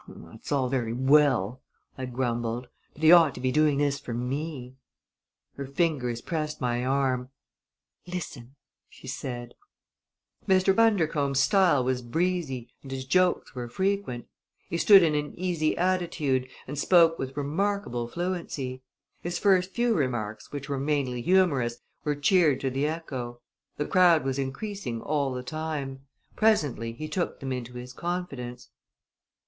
"That's all very well," I grumbled; "but he ought to be doing this for me." Her fingers pressed my arm. "Listen!" she said. Mr. Bundercombe's style was breezy and his jokes were frequent. He stood in an easy attitude and spoke with remarkable fluency. His first few remarks, which were mainly humorous, were cheered to the echo. The crowd was increasing all the time. Presently he took them into his confidence.